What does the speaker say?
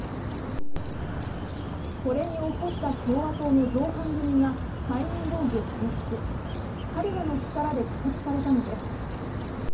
これに怒った共和党の造反組が解任動議を提出彼らの力で可決されたのです。